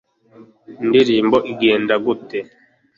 indirimbo igenda gute